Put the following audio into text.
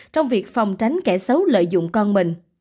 trong việc phòng tránh kẻ xấu lợi dụng con mình